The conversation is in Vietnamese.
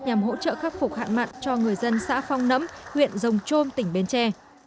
nhằm hỗ trợ khắc phục hạn mặn cho người dân xã phong nấm huyện rồng chôm tỉnh bến tre